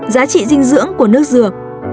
giá trị dinh dưỡng của nước dừa